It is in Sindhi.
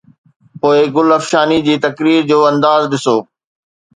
پوءِ گل افشاني جي تقرير جو انداز ڏسو